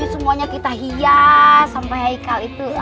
ini semuanya kita hias sampe haikal itu